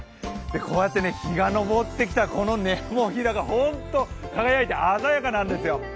こうやって、日が昇ってきたときのネモフィラが本当に輝いて鮮やかなんですよ。